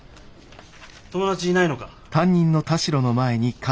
友達いないのか？